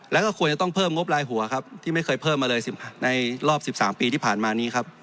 แล้วก็ควรจะต้องเพิ่มงบรายหัวครับที่ไม่เคยเพิ่มมาเลยในรอบ๑๓ปีที่ผ่านมานี้ครับ